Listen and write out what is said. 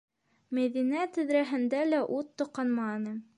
Мәҙинә тәҙрәһендә лә ут тоҡанманы.